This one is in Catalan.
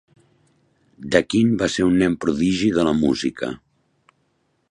Daquin va ser un nen prodigi de la música.